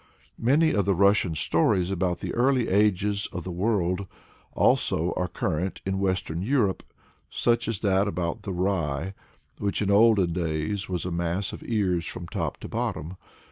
" Many of the Russian stories about the early ages of the world, also, are current in Western Europe, such as that about the rye which in olden days was a mass of ears from top to bottom.